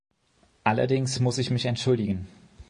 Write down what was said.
Allerdings muss ich mich entschuldigen.